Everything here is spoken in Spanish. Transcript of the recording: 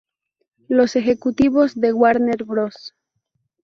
Los ejecutivos de Warner Bros.